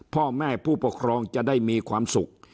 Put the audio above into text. พ่อแม่ผู้ปกครองจะได้มีความสุข